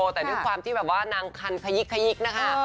แต่ด้วยความนางคันขยิกนะคะ